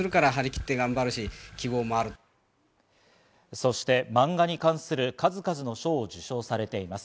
そして漫画に関する数々の賞を受賞されています。